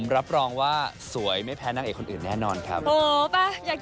รับรองว่าสวยไม่แพ้นางเอกคนอื่นแน่นอนครับ